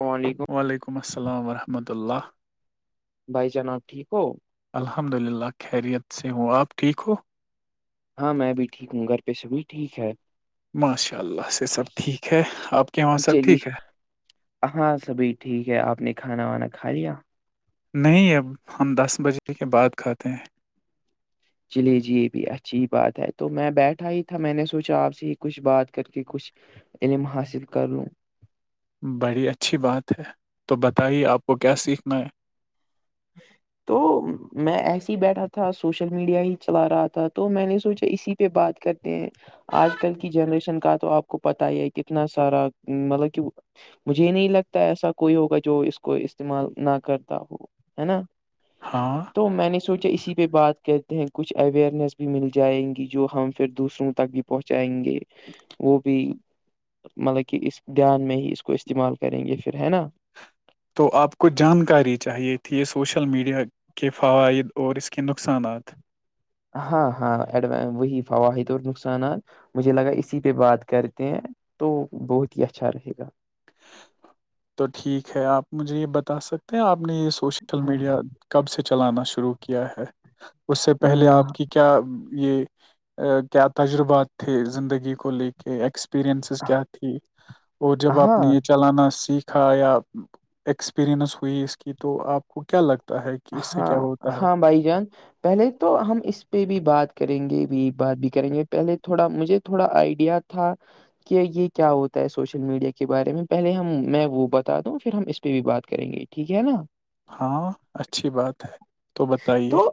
السلام علیکم وعلیکم السلام ورحمۃہ اللہ بھائی جناب ٹھیک ہو الحمد للہ خیریت سے ہوں آپ ٹھیک ہو ہاں میں بھی ٹھیک ہوں گھر پہ سے بھی ٹھیک ہے ماشاء اللہ سے سب ٹھیک ہے آپ کے یہاں سب چلیے ٹھیک ہے ہاں سبھی ٹھیک ہے آپ نے کھانا وانا کھا لیا نہیں اب ہم دس بجے کے بعد کھاتے ہیں چلیے جی یہ بھی اچھی بات ہے تو میں بیٹھا ہی تھا میں نے سوچا آپ سے ہی کچھ بات کر کے کچھ علم حاصل کر لوں بڑی اچھی بات ہے تو بتائیے آپ کو کیا سیکھنا ہے جی تو میں ایسے ہی بیٹھا تھا سوشل میڈیا ہی چلا رہا تھا تو میں نے سوچا اسی پہ بات کرتے ہیں آج کل کی جنریشن کا تو آپ کو پت ہی ہے کتنا سارا مطلب کہ مجھے نہیں لگتا ایسا کوئی ہوگا جو اس کو استعمال نہ کرتا ہو ہے نا ہاں تو میں نے سوچا اسی پہ بات کرتے ہیں کچھ اوئیرنیس بھی مل جائیں گی جو ہم پھر دوسروں تک بھی پہنچائیں گے وہ بھی مطلب کہ اس دھیان میں ہی اس کو استعمال کریں گے پھر ہے نا تو آپ کو جانکاری چاہیے تھی سوشل میڈیا کے فوائد اور اس کے نقصانات ہاں ہاںڈو وہی فوحد اور نقصانات مجھے لگا اسی پہ بات کرتے ہیں تو بہت ہی اچھا رہے گا تو ٹھیک ہے آپ مجھے یہ بتا سکتے ہیں آپ نے یہ سوشل ہاں میڈیا کب سے چلانا شروع کیا ہے اس سے پہلے ہم، آپ کی کیا یہ کیا تجربات تھے زندگی کو لے کے ایکس اپرینسز کیا تھی اور جب آپ ہاں نے یہ چلانا سیکھ تھا یا ایکسپیرئنس ہوئی اس کی تو آپ کو کیا لگتا ہے کہ اس سے ہاں کیا ہوتا ہے ہاں بھائی جان پہلے تو ہم اس پہ بھی بات کریں گے بھی بات بھی کریں گے پہلے تھوڑا مجھے تھوڑا آئیڈیا تھا کہ یہ کیا ہوتا ہے سوشل میڈیا کے بارے میں پہلے ہم میں وہ بتا دوں پھر ہم اس پہ بھی بات کریں گے ٹھیک ہے نا ہاں اچھی بات ہے تو بتائیے تو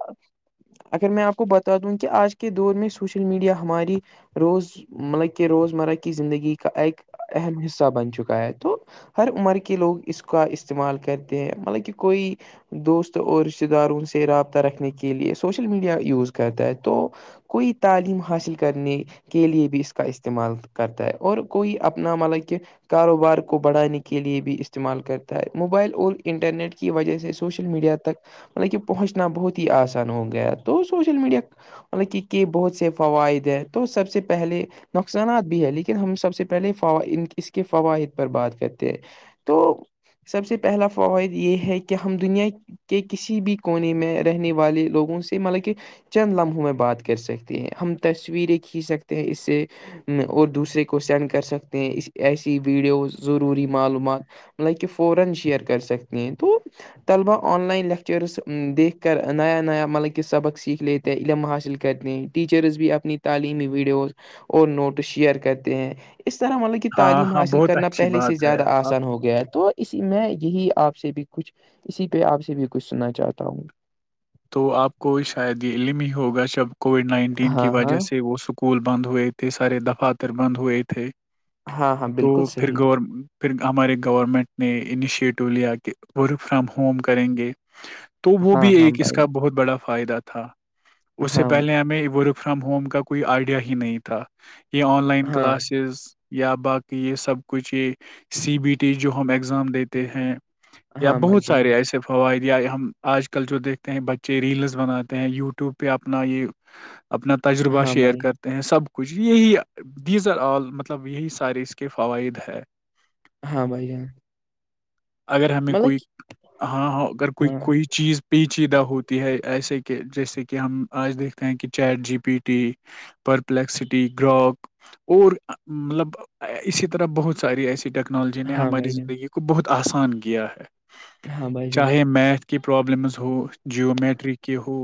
اگر میں آپ کو بتا دوں کہ آج کے دور میں سوشل میڈیا ہماری روز مطلب کہ روزمرہ کی زندگی کا ایک اہم حصہ بن چکا ہے تو ہر عمر کے لوگ اس کا استعمال کرتے ہیں مطلب کہ کوئی دوست اور رشتہ داروں سے رابطہ رکھنے کے لیے سوشل میڈیا یوز کرتا ہے تو کوئی تعلیم حاصل کرنے کے لیے بھی اس کا استعمال کرتا ہے اور کوئی اپنا مطلب کہ کاروبار کو بڑھانے کے لیئے بھی استعمال کرتا ہے موبائل اور انٹرنیٹ کی وجہ سے اس سوشل میڈیا تک مطلب کہ پہنچنا بہت ہی آسان ہو گیا ہے تو سوشل میڈیا مطلب کہ کہ بہت سے فوائد ہیں تو سب سے پہلے نقصانات بھی ہے لیکن ہم سب سے پہلے اس کے فوائد پر بات کرتے ہیں تو سب سے پہلا فوائد یہ ہے کہ ہم دنیا کے کسی بھی کونے میں رہنے والے لوگوں سے مطلب کہ چند لمحوں میں بات کر سکتے ہیں ہم تصویریں کھینچ سکتے ہیں اس سے اور دوسرے کو سینڈ کر سکتے ہیں اس ایسی ویڈیوز ضروری معلومات چوبیس شیئر کر سکتے ہیں تو طلبا آن لائن لیکچرس دیکھ کر نیا نیا ملب کے سبق سیکھ لیتے علم حاصل کرتے ہیں ٹیچرز بھی اپنی تعلیمی ویڈیوز اور نوٹ شیئر کرتے ہیں اس طرح مطلب کہ ہاں تعلیم ہاں حاصل بہت کرنا اچھی پہلے سے بات ہے زیادہ آپ آسان ہو گیا ہے تو اسی میں یہی آپ سے بھی کچھ اسی پہ آپ سے بھی کچھ سننا چاہتا ہوں تو آپ کو شاید علم ہی ہوگا جب کووڈ نائنٹین کی ہاں ہاں وجہ سے وہ س اسکول بند ہوئے تھے سارے دفاتر بند ہوئے تھے ہاں ہاں تو بالکل پھر صحیح گور پھر ہمارے گورنمنٹ نے انیشیٹو لیا کہ ورک فرام ہوم کریں گے تو وہ ہاں بھی ہاں ایک اس بھائی کا بہت بڑا فائدہ تھا اس سے ہاں پہلے ہمیں وہ رک فرام ہوم کا کوئی آئیڈیا ہی نہیں تھا یہ آن لائن ہاں کلاسز یا باقی یہ سب کچھ یہ سی بی ٹی جو ہم اگزام دیتے ہیں یا ہاں بھائی بہت جان سارے ایسے فوائد یا ہم آج کل جو دیکھتے ہیں بچے ریلز بناتے ہیں یوٹیوب پہ اپنا یہ اپنا تجربہ ہاں شیئر بھائی کرتے ہیں سب کچھ یہی دییزر آل مطلب یہی سارے اس کے فوائد ہے ہاں بھائی ہاں اگر ہمیں کوئی ہاں ہ اگر کہ کوئی ہاں کوئی چیز چیدہ ہوتی ہے ایسے کہ جیسے کہ ہم آج دیکھتے ہیں کہ chat G P T Perplexity Grok اور مطلب اسی طرح بہت ساری ایسیے ٹیکنالوجی نے ہاں ہماری بھائی جان زندگی کو بہت آسان کیا ہے ہاں بھائی جان چاہے میتھ کی پرابلمز ہو جیو میٹرک کی ہو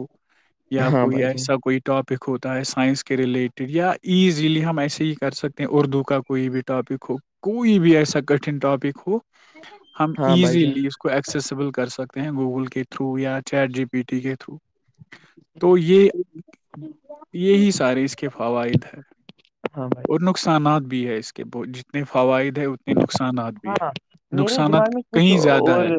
یا ہاں کوئی بھائی جان ایسا کوئی ٹاپک ہوتا ہے سائنس کے ریلیٹڈ یا ایزیلی ہم ایسے ہی کر سکتے ہیں اردو کا کوئی بھی ٹاپک ہو کوئی بھی ایسا کٹن ٹاپک ہو ہم ہاں بھائی جان ایزیلی اس کو ایکسیسیبل کر سکتے ہیں گوگل کے تھرو یا چیٹ جی پی ٹی کے تھرو تو یہ یہی سارے اس کے فوائد ادھر ہاں بھائی اور نقصانات بھی ہے اس کے جتنے فوائد ہیں نقصانات بھی ہاں ہے میرے نقصانات دماغ میں کچھ کہیں زیادہ اور ہے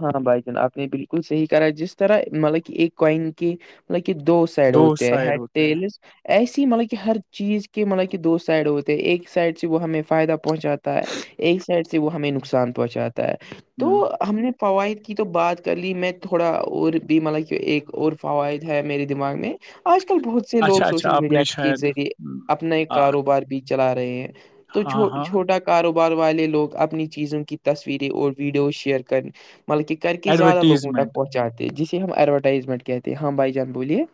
ہاں بھائی جان آپ نے بالکل صحیح کرا جس طرح مطلب کہ ایک کوئن کی مطلب کہ دو سائڈ ہوتی ہے ایسی ہی مطلب کہ ہر چیز کے مطلب کہ دو سائڈ ہوتے ہیں ایک سائڈ سے وہ ہمیں فائدہ پہنچاتا ہے ایک سائڈ سے وہ ہمیں نقصان پہنچاتا ہے تو ہوں ہم نے فوائد کی تو بات کر لی میں تھوڑا اور بھی مطلب کہ ایک اور فوائد ہے میرے دماغ میں آج کل بہت سے لوگ اچھا اچھا سوشل آپ میڈیا نے کے شاید ذریعے ہم، اپنا ایک آ، کاروبار بھی چلا رہے ہیں تو ہاں چ ہاں چھوٹا کاروبار والے لوگ اپنی چیزوں کی تصویریں اور ویڈیو شیئر کر مطلب کہ کر کے زیادہ لوگوں تک ایڈورٹیزمنٹ پہنچاتے ہیں جسے ہم ایڈورٹائزمنٹ کہتے ہیں ہاں بھائی جان بولیے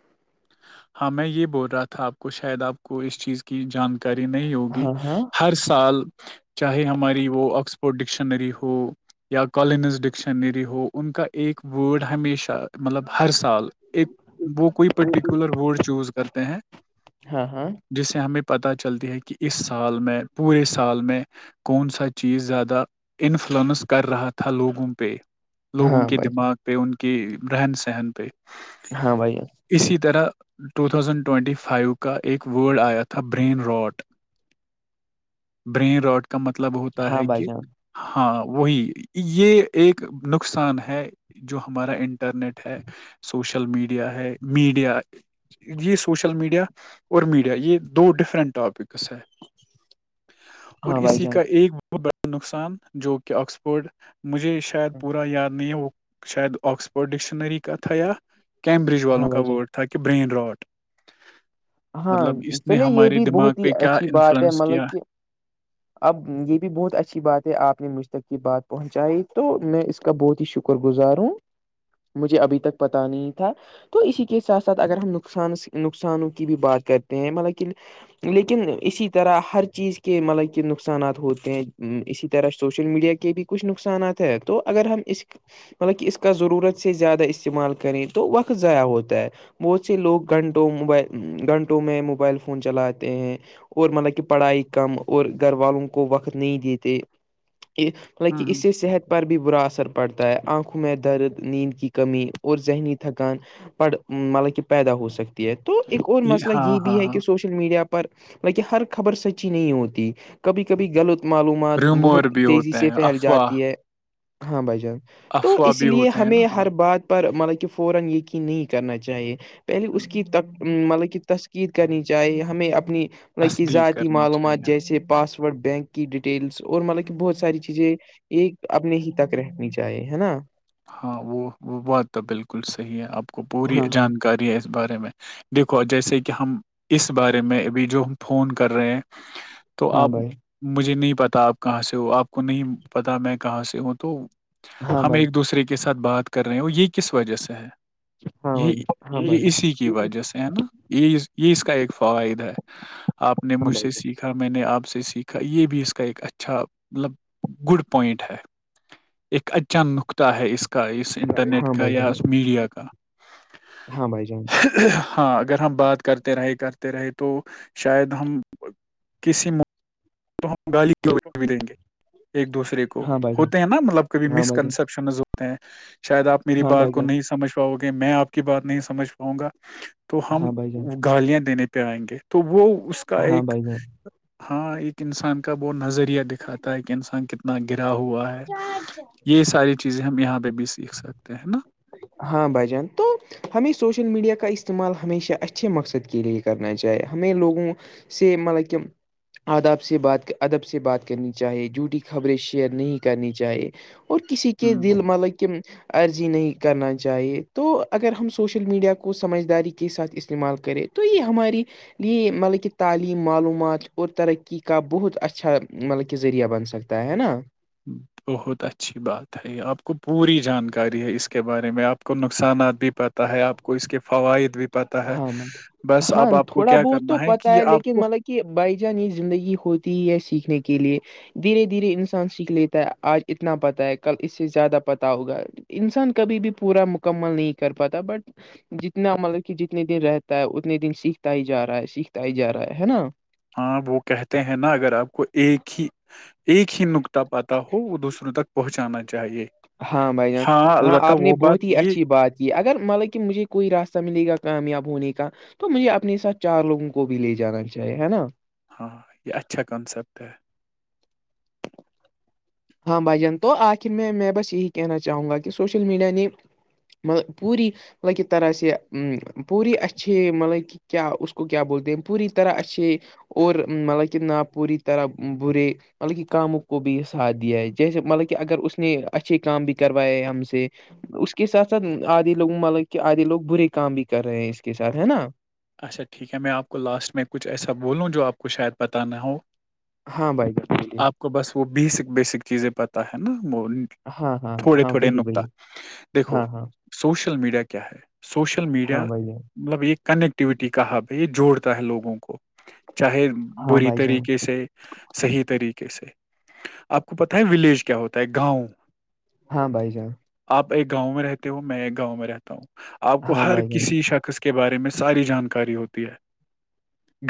ہاں میں یہ بول رہا تھا آپ کو شاید آپ کو اس چیز کی جان کاری نہیں ہوگی ہاں ہاں ہر سال چاہے ہماری وہ آکسفورڈ ڈکشنری ہو یا کالینز ڈکشنری ہو ان کا ایک ورڈ ہمیشہ مطلب ہر سال ایک وہ کوئی پرٹیکولر ورڈ چوز کرتے ہیں ہاں ہاں جسے ہمیں پتہ چلتی ہے کہ اس سال میں پورے سال میں کون سا چیز زیادہ انفلئنس کر رہا تھا لوگوں پہ لوگوں ہاں کے بھائی دماغ پہ ان کے رہن سہن پہ جان، ہاں بھائی اسی طرح ٹو تھاوزینڈ ٹوئٹی فائیو کا ایک ورڈ آیا تھا برین راٹ برین راٹ کا مطلب ہوتا ہاں ہے بھائی کہ جان ہاں وہی یہ ایک نقصان ہے جو ہمارا ان انٹرنیٹ ہے سوشل میڈیا ہے میڈیا یہ سوشل میڈیا اور میڈیا یہ دو ڈفرنٹ ٹاپک ہے اور ہاں بھائی اسی کا جان ایک ب وہ بڑا نقصان جو کہ آکسفورڈ مجھے شاید پورا یاد نہیں ہے وہ شاید آکسفورڈ ڈکشنری کا تھا یا کیمبرج ہاں والوں بھائی جان ت تھاکہ برین راٹ ہاں مطلب اس نے چلیے یہ ہمارے بھی دماغ بہت ہی پہ کیا اچھی بات ہے انفلوئنس کیا مطلب کہ اب یہ بھی بہت اچھی بات ہے آپ نے مجھ تک یہ بات پہنچائی تو میں اس کا بہت ہی شکر شکر گزاروں مجھے ابھی تک پتا نہیں تھا تو اسی کے ساتھ ساتھ اگر ہم نقصان نقصان کی بھی بات کرتے ہیں مطلیکن لیکن اسی طرح ہر چیز کے مطلب کہ نقصانات ہوتے ہیں اسی طرح سوشل میڈیا کے کے بھی کچھ نقصانات ہے تو اگر ہم اس مطلب کہ اس کا ضرورت سے زیادہ استعمال کریں تو وقت ضائع ہوتا ہے بہت سے لوگ گھنٹوں موبائل گھنٹوں میں موبائل فون چلاتے ہیں اور مطلب کہ پڑھائی کم اور گھر والوں کو وقت نہیں دیتے لکن ہوں اس ہوں سے صحت پر بھی برا اثر پڑتا ہے آنکھوں میں درد نیند کی کمی اور ذہنی تھکان پڑ مطلب کہ پیدا ہو سکتی ہے تو ایک اور مسئلہ ہاں یہ ہاں بھی ہے ہاں کہ سوشل میڈیا پر لیکن ہر خبر سچی نہیں ہوتی کبھی کبھی غلط معلومات ریومور بہت بھی تیزی ہوتے سے ہیں پھیل افواہ جاتی ہے ہاں بھجان تو افواہ اس بھی لیے ہوتے ہیں نا ہمیں ہاں ہر بات یار ہمارا جو فورا یقین نہیں کرنا چاہیے پہلے اس ہوں، مطلب کہ تسکید کرنی چاہی ہمیں اپنیطلب کی تصدیق ذاتی کرنی معلومات چاہیے جیسے پاس بینک کی ڈیٹیلس اور مطلب کہ بہت ساری چیزیں ایک اپنے ہی تک رہنی چاہیے ہے نا ہاں وہ وہ بات تو بالکل صحیح ہے آپ کو پوری ہاں ہاں جانکاری ہے اس بارے میں دیکھو جیسے کہ ہم اس بارے میں ابھی جو ہم فون کر رہے ہیں تو ہاں آپ بھائی مجھے نہیں پتا آپ کہاں سے ہو آپ کو نہیں پتا میں کہاں سے ہوں تو ہاں ہم بھائی ایک دوسرے کے ساتھ بات کر رہے ہو یہ کس وجہ سے ہے ہاں یہ بھائی ہاں بھائی یہ اسی کی وجہ سے ہے نا یہ یہ اس کا ایک فوائد ہے آپ نے ہاں مجھ سے سیکھا یکا میں نے آپ سے سیکھا یہ بھی اس کا ایک اچھا مطلب گڈ پوائنٹ ہے ایک اچھا نکطہ ہے اس کا اس ا انٹرنیٹ کا بھائی جان میڈ ہاں بھائی جان ہاں اگر ہم بات کرتے رہے کرتے رہے تو شاید ہم کسی تو ہم گالی بھی دیں گے ایک دوسرے کو ہاں بھائی جان ہوتے ہیں نا مطلب کبھی ہاں مس بھائی جان کنسپشن شاید آپ میری ہاں بات بھائی کو جان نہیں سمجھ پاؤ گے میں آپ کی بات نہیں سمجھ پاؤں گا تو ہم ہاں بھائی جان گالیاں دینے پہ آئیں گے تو وہ اس کا ہاں ایک بھائی جان ہاں ہاں ایک انسان کا وہ نظریہ دکھاتا ہے کہ انسان کتنا گا ہوا ہے بھائی جان یہ ساری چیزیں ہم یہاں پہ بھی سیکھ سکتے ہیں نا ہاں بھائی جان تو ہمیں سوشل میڈیا کا استعمال ہمیشہ اچھے مقصد کے لیے کرنا چاہی ہمیں لوگوں سیم ملیکم اداب سے بات ادب سے بات کرنی چاہے جھوٹی خبریں شیئر نہیں کرنی چاہیے اور کسی کے ہ دل مطلب کہ عرضی نہیں کرنا چاہیے تو اگر ہم سوشل میڈیا کو سمجھداری کے ساتھ استعمال کریں تو یہ ہماری یہ مطلب کہ تعلیم معلومات اور ترقی کا بہت اچھا مطلب کہ ذریعہ بن سکتا ہے تا ہے نا بہت اچھی بات ہے آپ کو پوری جانکاری ہے اس کے بارے میں آپ کو نقصانات بھی پتہ ہے آپ کو اس کے فوائد بھی پتا ہے ہاں مطلب بس ہاں اب آپ کو تھوڑا کیا بہت تو کرنا ہے پتہ کہ یہ آپ لیکن کو مطلب کہ بائی جان یہ زندگی ہوتی ہے سیکھنے کے لیے دھیرے دھیرے انسان سیکھ لیتا ہے آج اتنا پتا ہے کل اس سے زیادہ پتا ہوگا انسان کبھی بھی پورا مکمل نہیں کر پاتا بٹ جتنا مطلب کہ جتنے دن رہتا ہے اتنے دن سیکھتا ہی جا رہا ہے سیکھتا ہی جا رہا ہے نا ہاں وہ کہتے ہیں نا اگر آپ کو ایک ہی ایک ہی نکتاہ پاتا ہو وہ دوسروں تک پہنچانا چاہیے ہاں بھائی جان ہاں البتہ آپ نے وہ بات بہت ہی یہ اچھی بات جی اگر مطلب کہ مجھے کوئی راستہ ملے گا کامیاب ہونے کا تو مجھے اپنے ساتھ چار لوگوں کو بھی لے جانا چاہیے ہے نا ہاں یہ اچھا کنسپٹ ہے ہاں بھائی جان تو آخر میں میں بس یہی کہنا چاہوں گا کہ سوشل میڈیا نے م پوری مطلب کی طرح سے پوری اچھی مطلب کہ کیا اس کو کیا بولتے ہیں پوری طرح اچھے اور مطلب کہ نہ پوری طرح برے مطلب کہ کاموں کو بھی ساتھ دیا ہے جیسے مطلب کہ اگر اس نے اچھے کام بھی کروائے ہم سے اس کے ساتھ ساتھ آدھے لوگ مطلب کہ آدے لوگ برے کام بھی کر رہے ہیں اس کے ساتھ ہے نا اچھا ٹھیک ہے میں آپ کو لاسٹ میں کچھ ایسا بولوں جو آپ کو شاید پت نہ ہو ہاں بھائی ب ہے آپ کو بس وہ بیسک بیسک چیزیں پتہ ہے نا وہ ہاں ہاں تھوڑے ہاں تھوڑے وہی نکتا وہی دیکھو ہاں ہاں سوشل میڈیا کیا ہے سوشل میڈیا ہاں بھائی جان مطلب یہ کنیکٹ ایکٹیوٹی کا حب ہے یہ جوڑتا ہے لوگوں کو چاہے ہاں بری بھائی جان طریقے سے صحیح طریقے سے آپ کو پتا ہے ولیج کیا ہوتا ہے گاؤں ہاں بھائی جان آپ ایک گاؤں میں رہتے ہو میں ایک گاؤں میں رہتا ہوں آپ کو ہاں ہر بھائی جان کسی شخص کے بارے میں ساری جانکاری ہوتی ہے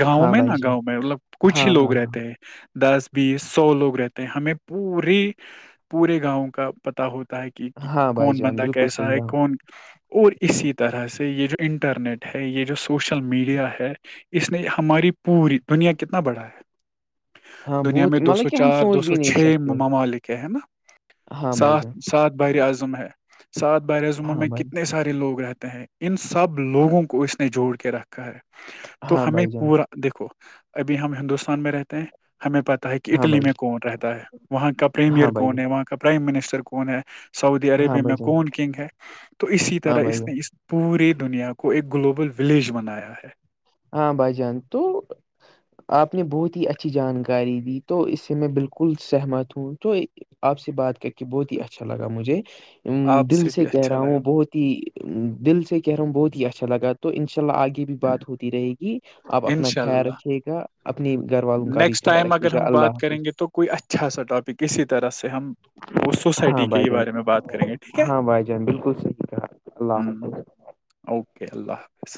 گاؤں ہاں میں بھائی نہا جان گاؤں میں مطلب کچھ ہی ہاں لوگ ہاں ہاں رہتے ہیں دس بیس سو لوگ رہتے ہیں ہمیں پوری پورے گاؤں کا پتا ہوتا ہے کہ کہ ہاں بھائی کون جان بندہ بالکل کیسا صحیح ہے کہا کون اور اسی طرح سے یہ جو انٹرنیٹ ہے یہ جو سوشل میڈیا ہے اس نے ہماری پوری دنیا کتنا بڑھا ہے ہاں دنیا بہت میں دو مطلب سو کہ ہم چار دو سوچ سو بھی نہیں چھ سکتے ممالک ہیں ہے نا ہاں بھائی سات جان سات بار اعظم ہے سات بر اعظموں ہاں میں بھائی کتنے سارے لوگ رہتے ہیں ان سب لوگوں کو اس نے جوڑ کے رکھا ہے تو ہاں ہمیں بھائی جان پورا دیکھو ابھی ہم ہندوستان میں رہتے ہیں ہمیں پتا ہے کہ ہاں اٹلی میں بھائی کون رہتا ہے وہاں کا پریمئر ہاں بھائی کون جان ہے وہاں پرائم منسٹر کون ہے سعودی ہاں عربیہ میں بھائی جان کون کنگ ہے تو اسی ہاں طرح بھائی اس نے جان پوری دنیا کو ایک گلوبل ولیج بنایا ہے ہاں بائی جان تو [unintelligible] آپ نے بہت ہی اچھی جانکاری دی تو اس سے میں بالکل سہمت ہوں تو آپ سے بات کر کے بہت ہی اچھا لگا مجھے آپ دل سے بھی کہہ اچھا رہا ہوں لگا بہت دل سے کہہ رہا ہوں بہت ہی اچھا لگا تو ان شاء اللہ آگے بھی بات ہو رہے گی آپ اپنا انشاء اللہ خیال رکھیے گا اپنی گھر والوں کا بھی نیکسٹ خیال ٹائم رکے اگر گا ہم بات اللہ کریں حافظ گے تو کوئی اچھا سا ٹاپک اسی طرح سے ہم وہ ہاں سوسائٹی کے بھائی ہی جان بارے میں بات کریں گے ٹھیک ہے ہاں بھائی جان بالکل صحیح کہا اللہ ہ حافظ اوکے اللہ حافظ